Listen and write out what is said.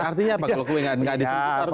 artinya apa kalau kue nggak disengkut